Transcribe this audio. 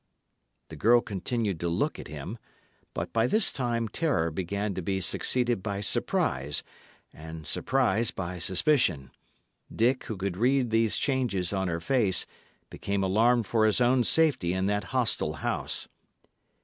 The girl continued to look at him, but, by this time, terror began to be succeeded by surprise, and surprise by suspicion. Dick, who could read these changes on her face, became alarmed for his own safety in that hostile house.